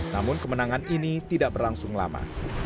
namun kemenangan ini tidak berlangsung lama